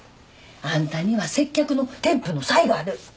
あんたには接客の天賦の才がある。